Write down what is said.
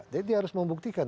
jadi dia harus membuktikan